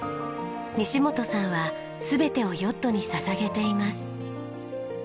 西本さんは全てをヨットに捧げています。